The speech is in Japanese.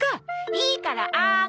いいからあーん。